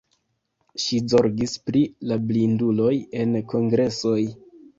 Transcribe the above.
Ŝi zorgis pri la blinduloj en kongresoj.